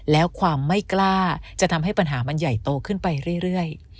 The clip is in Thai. แล้วความไม่กล้าจะทำให้ปัญหามันใหญ่โตขึ้นไปเรื่อย